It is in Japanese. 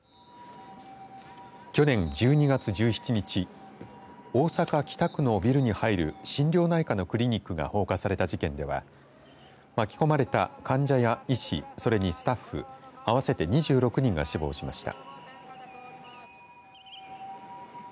去年１２月１７日大阪、北区のビルに入る心療内科のクリニックが放火された事件では巻き込まれた患者や医師それにスタッフ合わせて２６人が死亡しました。